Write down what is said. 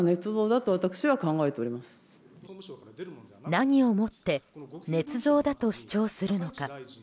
何を持ってねつ造だと主張するのか。